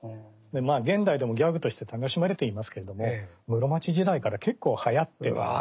まあ現代でもギャグとして楽しまれていますけれども室町時代から結構はやってたんですね。